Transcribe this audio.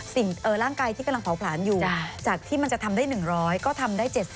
ร่างกายที่กำลังเผาผลาญอยู่จากที่มันจะทำได้๑๐๐ก็ทำได้๗๐